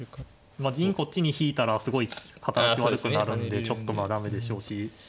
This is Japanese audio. まあ銀こっちに引いたらすごい働き悪くなるんでちょっとまあ駄目でしょうし。